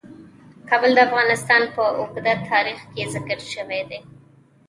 کابل د افغانستان په اوږده تاریخ کې ذکر شوی دی.